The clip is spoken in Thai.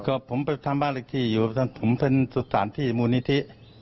ก็ผมไปทำบ้านเลขที่อยู่ผมเป็นสถานที่มูลนิธิ